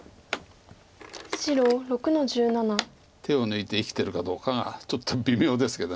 手を抜いて生きてるかどうかがちょっと微妙ですけど。